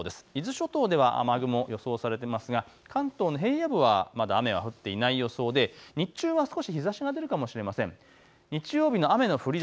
伊豆諸島では雨雲、予想されていますが関東の平野部はまだ雨は降っていない予想で日中は少し日ざしが出るかもしれません。